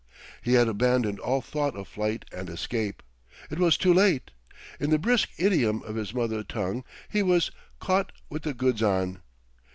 He had abandoned all thought of flight and escape. It was too late; in the brisk idiom of his mother tongue, he was "caught with the goods on."